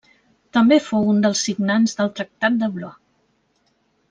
També fou un dels signants del Tractat de Blois.